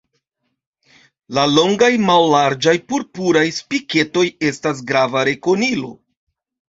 La longaj mallarĝaj purpuraj spiketoj estas grava rekonilo.